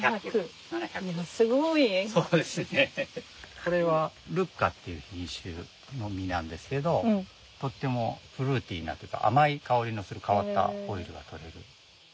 これはルッカっていう品種の実なんですけどとってもフルーティーなっていうか甘い香りのする変わったオイルが採れる。